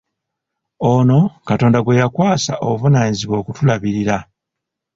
Ono Katonda gwe yakwasa obuvunaanyizibwa okutulabirira.